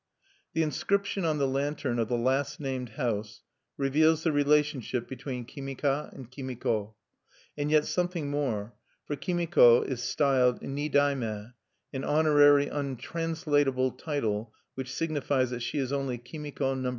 The inscription on the lantern of the last named house reveals the relationship between Kimika and Kimiko, and yet something more; for Kimiko is styled Ni dai me, an honorary untranslatable title which signifies that she is only Kimiko No.2.